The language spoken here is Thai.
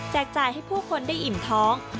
จ่ายให้ผู้คนได้อิ่มท้อง